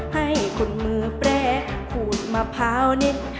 ให้คุณมือแปลกขูดมะพร้าวเน่น